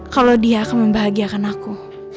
kalau dia akan membahagiakan aku